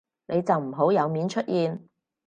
你就唔好有面出現